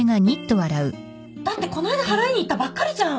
だってこないだ払いに行ったばっかりじゃん。